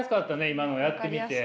今のやってみて。